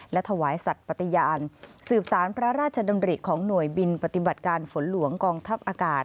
และถวายสัตว์ปฏิญาณสืบสารพระราชดำริของหน่วยบินปฏิบัติการฝนหลวงกองทัพอากาศ